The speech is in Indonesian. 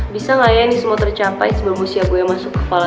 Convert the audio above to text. bisa gak ya ini semua tercapai sebelum usia gue masuk kepala tiga